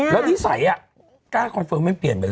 แล้วนิสัยฟังไม่เปลี่ยนเลย